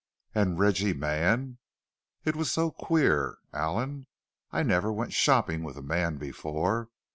"And Reggie Mann! It was so queer, Allan! I never went shopping with a man before.